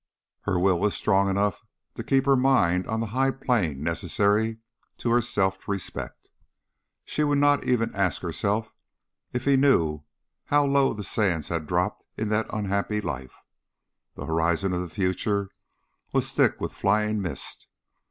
Her will was strong enough to keep her mind on the high plane necessary to her self respect. She would not even ask herself if he knew how low the sands had dropped in that unhappy life. The horizon of the future was thick with flying mist.